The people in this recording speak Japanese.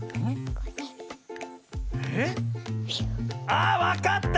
あわかった！